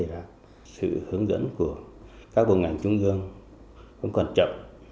và sự hướng dẫn của các bộ ngành chung dương cũng còn chậm